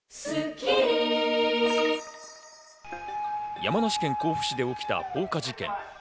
山梨県甲府市で起きた放火事件。